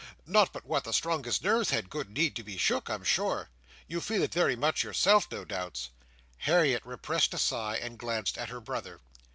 Not but what the strongest nerves had good need to be shook, I'm sure. You feel it very much yourself, no doubts." Harriet repressed a sigh, and glanced at her brother.